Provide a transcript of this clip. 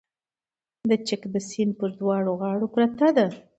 د چک د سیند پر دواړو غاړو پرته ده